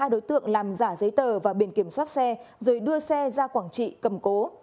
ba đối tượng làm giả giấy tờ và biển kiểm soát xe rồi đưa xe ra quảng trị cầm cố